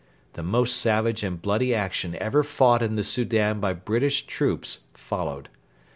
The most savage and bloody action ever fought in the Soudan by British troops followed.